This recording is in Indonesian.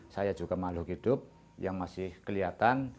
saya juga makhluk hidup yang masih kelihatan